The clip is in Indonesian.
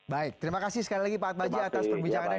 baik terima kasih sekali lagi pak atmaji atas perbincangannya